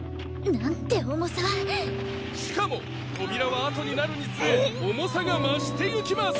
なんて重さしかも扉はあとになるにつれ重さが増していきます！